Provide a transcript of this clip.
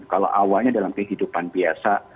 kalau awalnya dalam kehidupan biasa